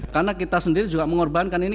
karena kita sendiri juga mengorbankan ini